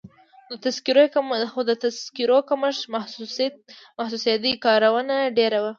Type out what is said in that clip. خو د تذکیرو کمښت محسوسېده، کارونه ډېر وو.